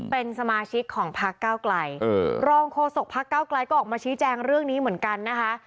เป็นสมาชิกของพักเก้าไกลรองโฆษกพักเก้าไกลก็ออกมาชี้แจงเรื่องนี้เหมือนกันนะคะ